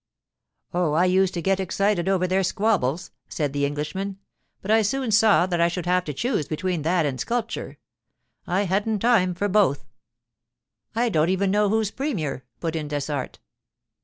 'Oh, I used to get excited over their squabbles,' said the Englishman; 'but I soon saw that I should have to choose between that and sculpture; I hadn't time for both.' 'I don't even know who's premier,' put in Dessart.